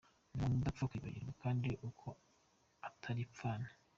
Ni umuntu udapfa kwibagirwa kandi kuko ataripfana.